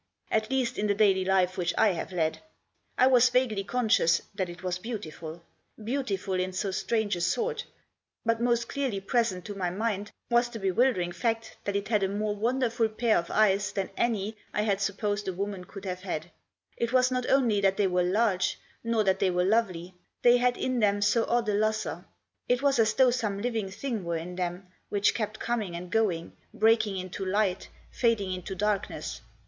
At least, in the daily life which I have led. I was vaguely conscious that it was beautiful ; beautiful in so strange a sort ; but most clearly present to my mind was the bewildering fact that it had a more wonderful pair of eyes than any I had Digitized by A VISION OF THE NIGHT. 119 supposed a woman could have had. It was not only that they were large, nor that they were lovely. They had in them so odd a lustre. It was as though some living thing were in them, which kept coming and going, breaking into light, fading into darkness.